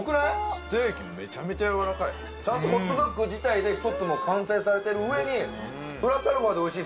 ステーキメチャメチャやわらかいちゃんとホットドッグ自体で一つもう完成されてる上にプラスアルファでおいしい